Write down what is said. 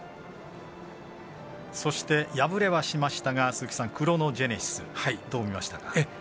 そして、敗れはしましたがクロノジェネシスどう見ましたか？